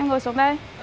em ngồi xuống đây